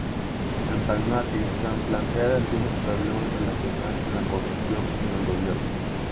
En Vanuatu se han planteado algunos problemas relacionados con la corrupción en el gobierno.